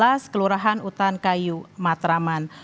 dan nomor enam belas kelurahan utan kayu matraman